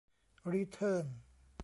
รีเทิร์น